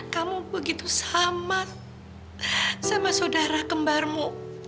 kamu begitu sama saudara kembarmu